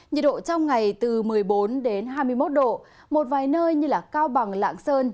nhiệt độ trong ngày từ một mươi bốn đến hai mươi một độ một vài nơi như cao bằng lạng sơn